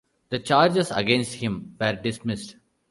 The charges against him were dismissed.